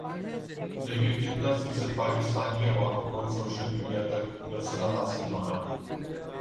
لیکن کِتنا فیصد پاکستانی عوام کو سوشل میڈیا تک رسنا حاصل ہونا